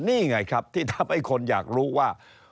นี่ไงครับที่ทำให้คนอยากรู้ว่า